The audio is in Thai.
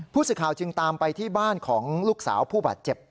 ผู้สื่อข่าวจึงตามไปที่บ้านของลูกสาวผู้บาดเจ็บ